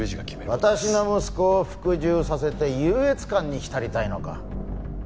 私の息子を服従させて優越感に浸りたいのか。